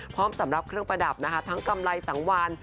สำหรับเครื่องประดับนะคะทั้งกำไรสังวาน